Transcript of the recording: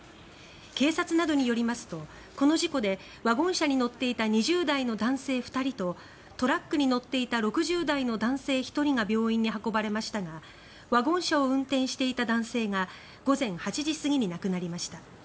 警察などによりますとこの事故でワゴン車に乗っていた２０代の男性２人とトラックに乗っていた６０代の男性１人が病院に運ばれましたがワゴン車を運転していた男性が午前８時過ぎに亡くなりました。